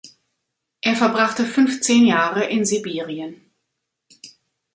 Er verbrachte fünfzehn Jahre in Sibirien.